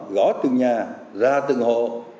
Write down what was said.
gõ từ nhà ra từng hộ